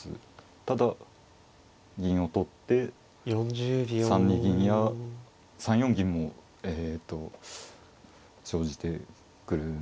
ただ銀を取って３二銀や３四銀もえと生じてくるんですね。